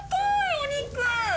お肉！